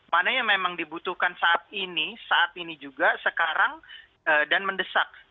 mana yang memang dibutuhkan saat ini saat ini juga sekarang dan mendesak